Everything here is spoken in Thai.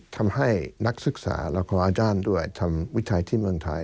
ทำให้นักศึกษาและของอาจารย์ด้วยทำวิทยาลัยที่เมืองไทย